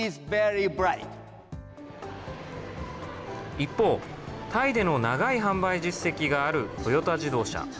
一方、タイでの長い販売実績があるトヨタ自動車。